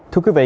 thưa quý vị